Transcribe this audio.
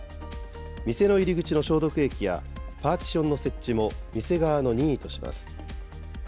店の入り口の消毒液やパーティションの設置も店側の任意とします。